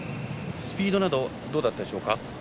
スピードなどどうだったでしょうか？